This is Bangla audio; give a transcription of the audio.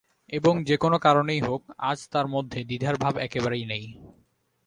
এবং যে-কোনো কারণেই হোক, আজ তার মধ্যে দ্বিধার ভাব একেবারেই নেই।